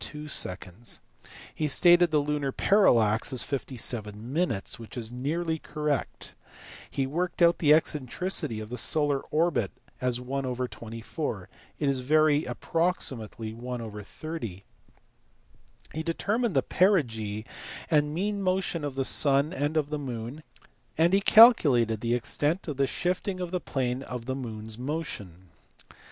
He stated the lunar parallax as 57 , which is nearly correct. He worked out the eccentricity of the solar orbit as 1/24 ; it is very approximately 1/30. He determined the perigee and mean motion of the sun and of the moon, and he calculated the extent of the shifting of the plane of the moon s motion.